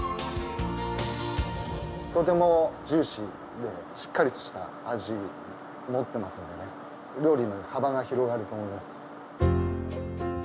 とてもジューシーでしっかりとした味持ってますのでね料理の幅が広がると思います。